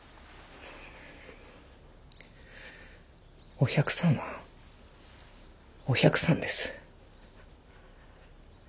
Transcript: お百さんはお百さんです。